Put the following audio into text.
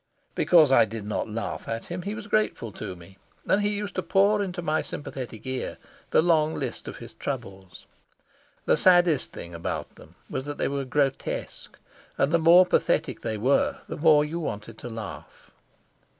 Because I did not laugh at him he was grateful to me, and he used to pour into my sympathetic ear the long list of his troubles. The saddest thing about them was that they were grotesque, and the more pathetic they were, the more you wanted to laugh.